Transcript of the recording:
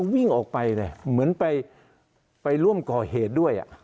วิ่งออกไปเลยเหมือนไปร่วมก่อเหตุด้วย